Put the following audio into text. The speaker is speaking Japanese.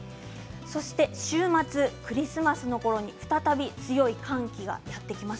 そして週末、クリスマスのころに再び強い寒気がやって来ます。